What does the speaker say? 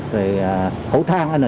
rồi khẩu thang n chín mươi năm